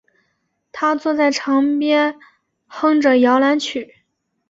她坐在床边哼着摇篮曲